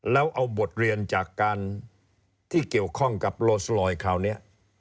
แล้วเอาบทเรียนจากการที่เกี่ยวข้องกับโลสลอยคราวนี้